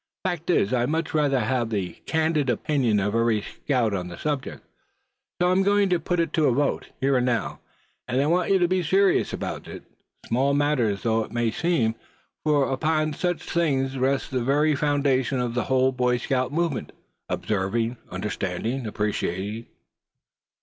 "Fact is, I'd much rather have the candid opinion of every scout on the subject. So I'm going to put it to a vote, here and now; and I want you to be serious about it, small matter though it may seem; for upon such things rests the very foundations of the whole Boy Scout movement observing, understanding, appreciating."